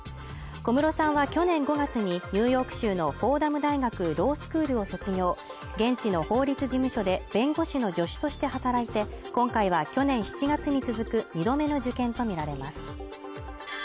小室さんは去年５月にニューヨーク州のフォーダム大学ロースクールを卒業現地の法律事務所で弁護士の助手として働いて今回は去年７月に続く２度目の受験と見られます